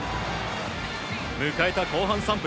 迎えた後半３分。